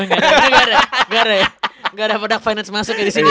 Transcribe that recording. gak ada produk finance masuknya disini